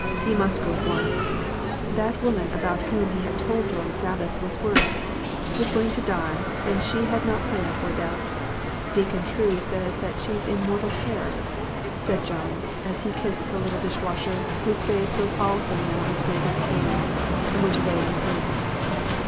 He must go at once. That woman about whom he had told her on Sabbath was worse, was going to die, and she had not planned for death. "Deacon True says she is in mortal terror," said MIXED THINGS. 25 John, as he kissed the little dishwasher whose face was also now as grave as his own, and went away in haste.